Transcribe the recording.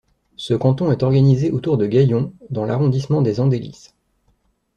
Ce canton est organisé autour de Gaillon dans l'arrondissement des Andelys.